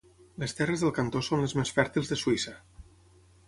Les terres del cantó són les més fèrtils de Suïssa.